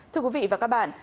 thưa quý vị và các bạn